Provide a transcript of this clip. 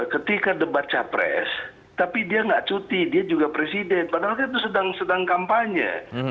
ketika debat capres tapi dia nggak cuti dia juga presiden padahal kan itu sedang kampanye